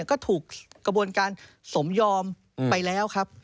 ก็ถูกกระบวนการสมยอมไปแล้วครับ